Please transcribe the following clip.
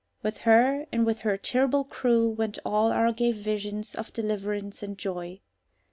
With her and with her terrible crew went all our gay visions of deliverance and joy.